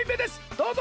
どうぞ！